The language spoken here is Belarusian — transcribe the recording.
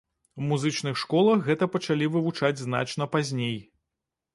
У музычных школах гэта пачалі вывучаць значна пазней.